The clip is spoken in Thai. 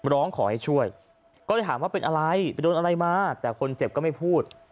ร้องขอให้ช่วยก็จะถามว่าเป็นอะไรไปโดนอะไรมาแต่คนเจ็บก็ไม่พูด